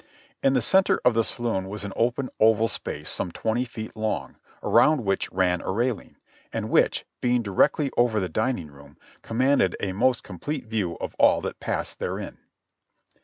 In the center of the saloon was an open oval space some twenty feet long, around which ran a railing, and which, being directly over the dining room, commanded a most complete view of all tliat passed therein.